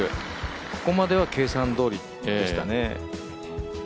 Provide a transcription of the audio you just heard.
ここまでは計算どおりでしたね